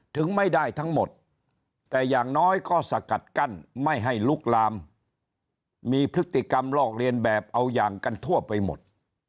ถึงไม่ได้ทั้งหมดแต่อย่างน้อยก็สกัดกั้นไม่ให้ลุกลามมีพฤติกรรมลอกเรียนแบบเอาอย่างกันทั่วไปหมด